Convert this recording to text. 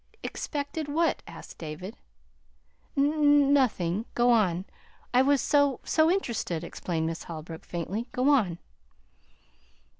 "Expected what?" asked David. "N nothing. Go on. I was so so interested," explained Miss Holbrook faintly. "Go on."